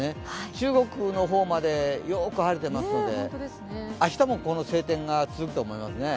中国の方までよく晴れていますので、明日もこの晴天が続くと思いますね。